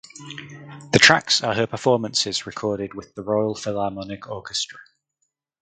The tracks are her performances recorded with the Royal Philharmonic Orchestra.